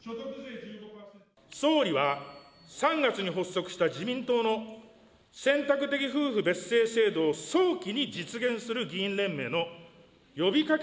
総理は、３月に発足した自民党の選択的夫婦別姓制度を早期に実現する議員連盟の呼びかけ